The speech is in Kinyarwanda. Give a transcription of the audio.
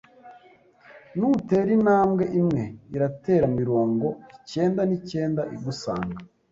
nutera intambwe imwe, iratera mirongo icyenda n’icyenda igusanga